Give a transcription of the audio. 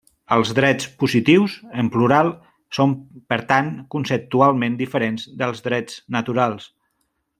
Els drets positius, en plural, són per tant conceptualment diferents dels drets naturals.